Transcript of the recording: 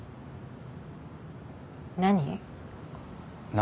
何？